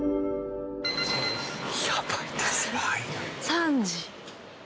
３時。